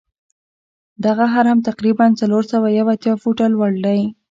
دغه هرم تقریبآ څلور سوه یو اتیا فوټه لوړ دی.